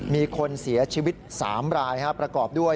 มีคนเสียชีวิต๓รายประกอบด้วย